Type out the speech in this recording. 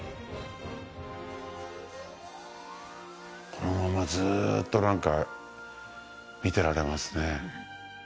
このままずっとなんか見ていられますね。